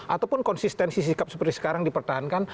ataupun konsistensi sikap seperti sekarang dipertahankan